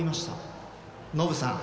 ノブさん。